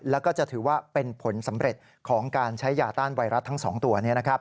แล้วก็จะถือว่าเป็นผลสำเร็จของการใช้ยาต้านไวรัสทั้ง๒ตัว